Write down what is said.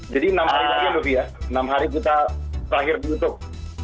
jadi enam hari lagi andovi ya enam hari kita terakhir di youtube